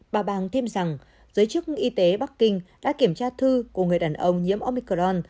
bà bang thêm rằng giới chức y tế bắc kinh đã kiểm tra thư của người đàn ông nhiễm omicron